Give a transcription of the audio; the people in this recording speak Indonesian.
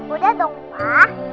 udah dong pak